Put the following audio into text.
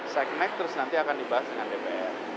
saya connect terus nanti akan dibahas dengan dpr